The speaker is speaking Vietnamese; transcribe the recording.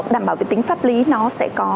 đảm bảo vệ tính pháp lý nó sẽ có